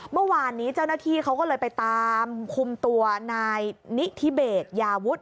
เมื่อวานนี้เจ้าหน้าที่เขาก็เลยไปตามคุมตัวนายนิธิเบสยาวุฒิ